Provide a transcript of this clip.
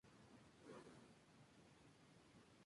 Se encuentra en Nueva Guinea y Filipinas.